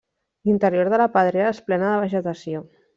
L'interior de la pedrera és plena de vegetació.